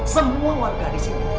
semua warga di sini